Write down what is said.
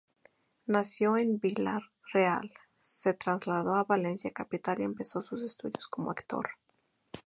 Nació en Vila-real, se trasladó a Valencia capital y empezó sus estudios como actor.